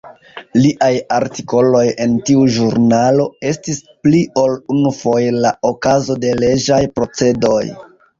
Liaj artikoloj en tiu ĵurnalo estis pli ol unufoje la okazo de leĝaj procedoj.